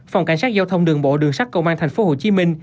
phòng cảnh sát giao thông đường bộ đường sắt công an tp hcm